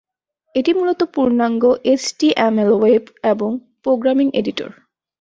এটি মূলত পূর্ণাঙ্গ এইচটিএমএল ওয়েব এবং প্রোগ্রামিং এডিটর।